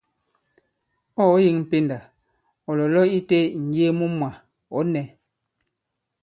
Ɔ̂ ɔ̀ yeŋ pendà ɔ̀ lo itē ì-ŋ̀yee mu mwà, ɔ̌ nɛ̄.